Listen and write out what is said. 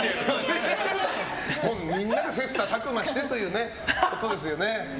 みんなで切磋琢磨してということですよね。